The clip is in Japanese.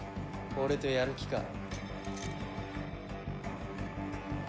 俺とやる気か？